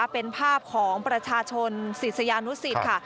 เป็นภาพของประชาชนศิษยานุสิตค่ะ